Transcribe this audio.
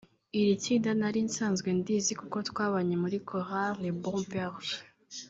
Iri tsinda nari nsanzwe ndizi kuko twabanye muri Chorale Le Bon Berger